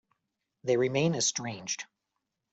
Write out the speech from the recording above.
They remain estranged.